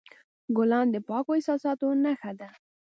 ګلان د پاکو احساساتو نښه ده.